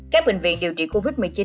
các bệnh viện điều trị covid một mươi chín